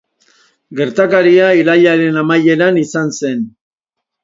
Gertakaria irailaren amaieran izan zen.